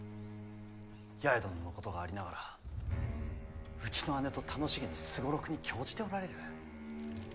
八重殿のことがありながらうちの姉と楽しげに双六に興じておられる。